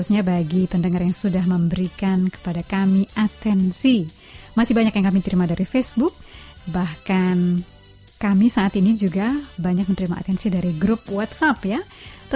allah baik oh sungguh baik di setiap waktu